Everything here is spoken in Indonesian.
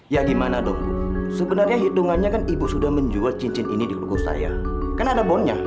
ya gimana dong bu sebenarnya hitungannya kan ibu sudah menjual cincin ini di kuku saya karena ada bondnya